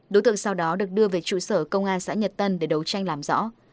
đối tượng sau đó được đưa về trụ sở công an xã nhật tân để đấu tranh làm rõ